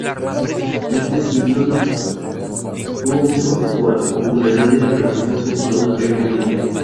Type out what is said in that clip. Este single tuvo mucho más popularidad y repercusión sobre todo en Reino Unido.